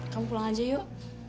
kamu pulang aja yuk